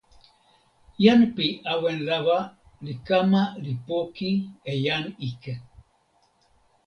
jan pi awen lawa li kama li poki e jan ike.